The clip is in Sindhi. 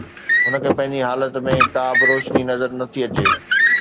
هن کي پنهنجي حالت ۾ ڪابه روشني نظر نٿي اچي.